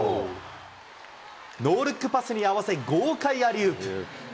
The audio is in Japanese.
ノールックパスに合わせ豪快アリウープ。